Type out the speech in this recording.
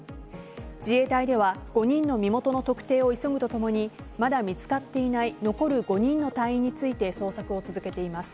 自衛隊では５人の身元の特定を急ぐとともにまだ見つかっていない残る５人の隊員について捜索を続けています。